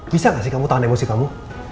bisa gak sih kamu tahan emosi kamu